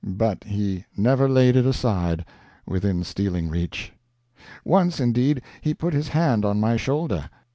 But he never laid it aside within stealing reach. Once, indeed, he put his hand on my shoulder.